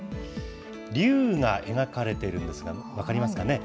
龍が描かれてるんですが、分かりますかね。